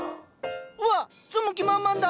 うわっ住む気満々だ！